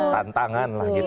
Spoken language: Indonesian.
tantangan lah gitu